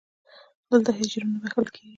دلته هیڅ جرم نه بښل کېږي.